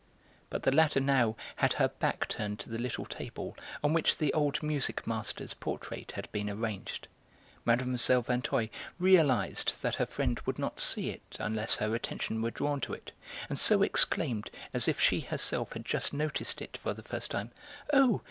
But the latter now had her back turned to the little table on which the old music master's portrait had been arranged. Mlle. Vinteuil realised that her friend would not see it unless her attention were drawn to it, and so exclaimed, as if she herself had just noticed it for the first time: "Oh!